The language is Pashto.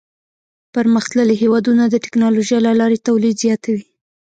پرمختللي هېوادونه د ټکنالوژۍ له لارې تولید زیاتوي.